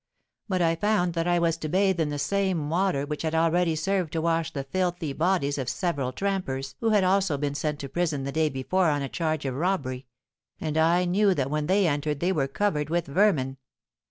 But I found that I was to bathe in the same water which had already served to wash the filthy bodies of several trampers who had also been sent to prison the day before on a charge of robbery; and I knew that when they entered they were covered with vermin.